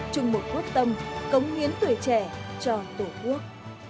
chung một quyết tâm cống hiến tuổi trẻ cho tổ quốc